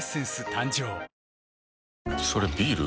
誕生それビール？